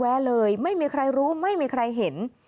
เลยไม่มีใครรู้ไม่มีใครเห็น